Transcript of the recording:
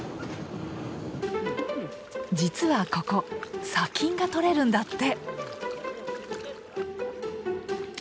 実はここ砂金がとれるんだって。